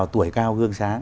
vào tuổi cao gương sáng